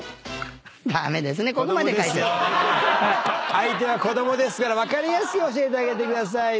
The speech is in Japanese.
相手は子供だから分かりやすく教えてあげてくださいね。